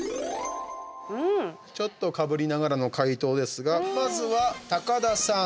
ちょっとかぶりながらの解答ですが、まずは高田さん。